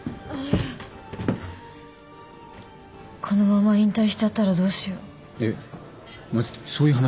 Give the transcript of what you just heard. このまま引退しちゃったらどうしよう。